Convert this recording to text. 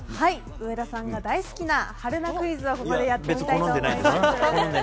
上田さんが大好きな春奈クイズをここでやっていきます。